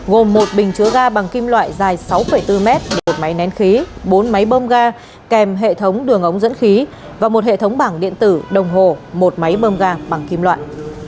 gồm một bình chứa ga bằng kim loại dài sáu bốn mét một máy nén khí bốn máy bơm ga kèm hệ thống đường ống dẫn khí và một hệ thống bảng điện tử đồng hồ một máy bơm ga bằng kim loại